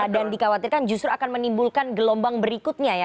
dan dikhawatirkan justru akan menimbulkan gelombang berikutnya ya